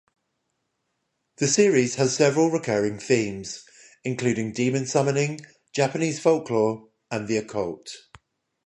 The series has several recurring themes, including demon-summoning, Japanese folklore, and the occult.